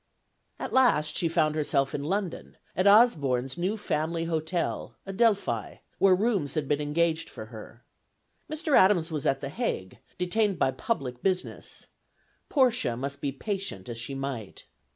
At last she found herself in London, at Osborne's new family hotel, "Adelphi," where rooms had been engaged for her. Mr. Adams was at the Hague, detained by public business; Portia must be patient as she might.